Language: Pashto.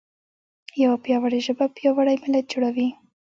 یوه پیاوړې ژبه پیاوړی ملت جوړوي.